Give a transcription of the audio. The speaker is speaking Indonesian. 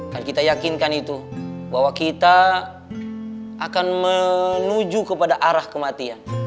dan kita yakinkan itu bahwa kita akan menuju kepada arah kematian